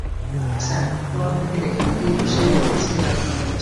Sir, ও আপনাকে দেখেনি, কিন্তু সে দেখেছে এটা আপনার মনে হচ্ছে।